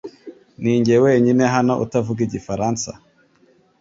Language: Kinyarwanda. Ninjye wenyine hano utavuga igifaransa?